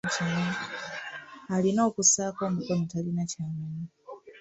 Alina okussaako omukono talina ky'amanyi.